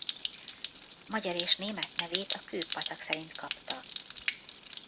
Magyar és német nevét a Kő-patak szerint kapta.